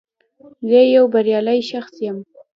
زه یو بریالی شخص یم